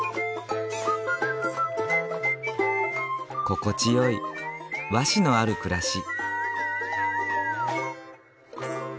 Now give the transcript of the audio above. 心地よい和紙のある暮らし。